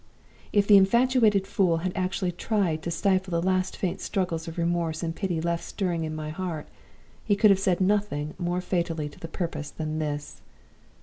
If the infatuated fool had actually tried to stifle the last faint struggles of remorse and pity left stirring in my heart, he could have said nothing more fatally to the purpose than this!